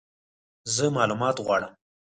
زه مالومات غواړم !